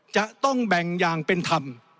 จะต้องแบ่งอย่างเป็นธรรม